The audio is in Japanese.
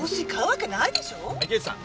池内さん。